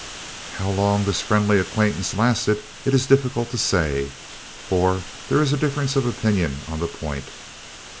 How long this "friendly acquaintance" lasted it is difficult to say, for there is a difference of opinion on the point.